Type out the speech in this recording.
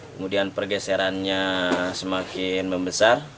kemudian pergeserannya semakin membesar